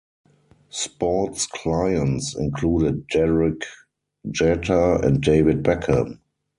Sports clients included Derek Jeter and David Beckham.